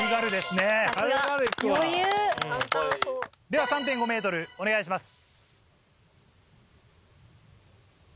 では３．５ｍお願いします。